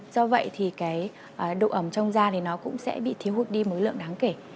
do vậy độ ẩm trong da cũng bị thiếu hút đi mức lượng đáng kể